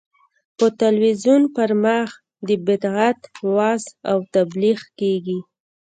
په تلویزیون پر مخ د بدعت وعظ او تبلیغ کېږي.